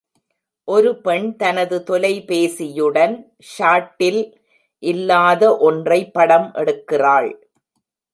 ஒரு பெண் தனது தொலைபேசியுடன் ஷாட்டில் இல்லாத ஒன்றை படம் எடுக்கிறாள்.